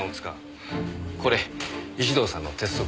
これ石堂さんの鉄則。